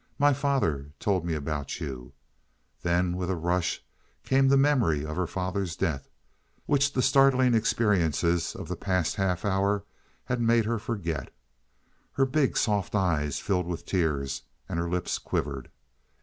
"My father told me about you " Then with a rush came the memory of her father's death, which the startling experiences of the past half hour had made her forget. Her big, soft eyes filled with tears and her lips quivered.